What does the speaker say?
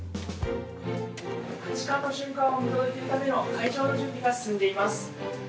八冠の瞬間を見届けるための会場の準備が進んでいます。